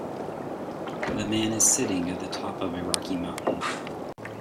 The man is sitting at the top of a rocky mountain